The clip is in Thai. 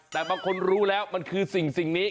แต่บางคนรู้แล้วมันคือสิ่งนี้